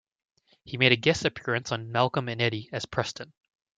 He made a guest appearance on "Malcolm and Eddie" as Preston.